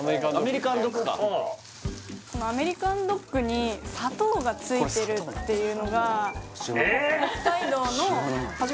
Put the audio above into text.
アメリカンドッグ？がついてるっていうのがえっ！